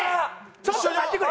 ちょっと待ってくれ！